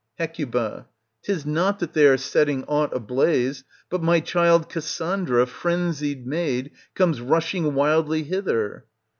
Hec 'Tis not that they are setting aught ablaze, but my child Cassandra, frenzied maid, comes rushing wildly hither.